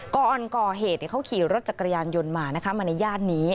ก่อนก่อเหตุเขาขี่รถจักรยานยนต์มานะคะมาในย่านนี้